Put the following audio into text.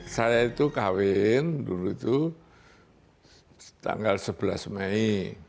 saya itu kawin dulu itu tanggal sebelas mei